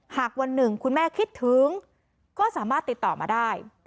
หากวันหนึ่งคุณแม่คิดถึงก็สามารถติดต่อมาได้